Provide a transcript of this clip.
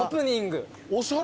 おしゃれ。